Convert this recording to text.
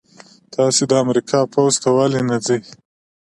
تاسې د امریکا پوځ ته ولې نه ځئ؟